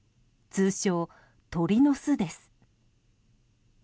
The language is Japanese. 通称、鳥の巣です。